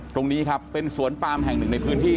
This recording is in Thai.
ตรงนี้ครับเป็นสวนปามแห่งหนึ่งในพื้นที่